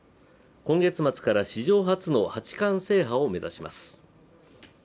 今月末から史上初の八冠制覇を目指します。